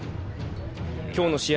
今日の試合